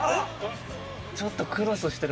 ちょっとクロスしてる部分が。